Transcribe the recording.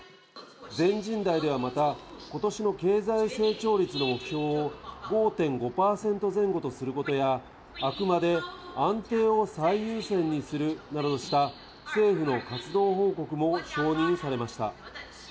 全人代ではまた、ことしの経済成長率の目標を５．５％前後とすることや、あくまで安定を最優先にするなどとした、政府の活動報告も承認されました。